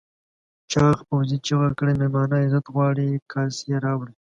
چاغ پوځي چیغه کړه مېلمانه عزت غواړي کاسې راوړئ.